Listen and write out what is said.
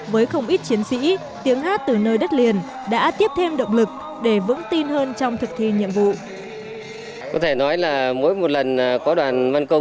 với không ít chiến sĩ tiếng hát từ nơi đất liền đã tiếp thêm động lực để vững tin hơn trong thực thi nhiệm vụ